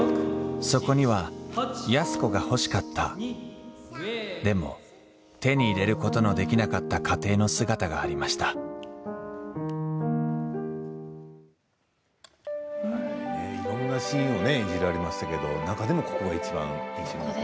そこには安子が欲しかったでも手に入れることのできなかった家庭の姿がありましたいろんなシーンを演じられた中でもこれがいちばん。